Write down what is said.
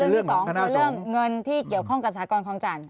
ที่สองคือเรื่องเงินที่เกี่ยวข้องกับสากรคลองจันท